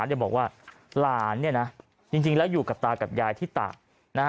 บอกว่าหลานเนี่ยนะจริงแล้วอยู่กับตากับยายที่ตากนะฮะ